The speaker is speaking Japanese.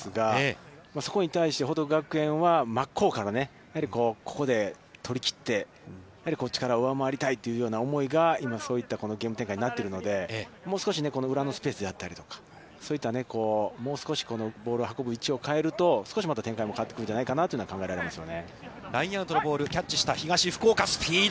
東福岡のほうが若干、やはり大きさはアドバンテージがあるんですが、そこに対して報徳学園は真っ向からやはりここで取り切って、力が上回りたいという気持ちが今そういったゲーム展開になっているのでもう少し裏のスペースであったりとか、そういったもう少しボールを運ぶ位置を変えると、少しまた展開も変わってくるんじゃないかなというのが考えられますよね。